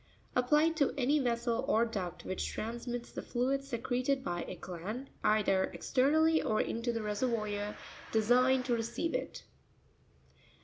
—Applied to any vessel or duct which transmits the fluid secreted by a gland, either exter. nally or into the reseryoir designed to receive it.